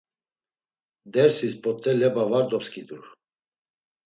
Dersis p̌ot̆e leba var dopskidur.